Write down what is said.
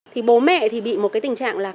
thì bố mẹ thì bị một cái tình trạng là